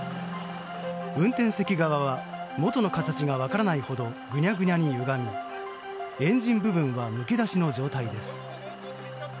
運転席側は元の形が分からないほどグニャグニャにゆがみエンジン部分はむき出しの状態です。